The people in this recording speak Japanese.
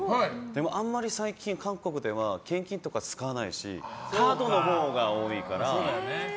でも、あんまり最近韓国では現金とか使わないしカードのほうが多いから。